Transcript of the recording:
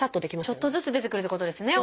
ちょっとずつ出てくるってことですね